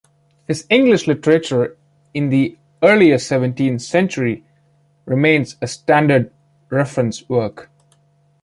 His "English Literature in the Earlier Seventeenth Century" remains a standard reference work.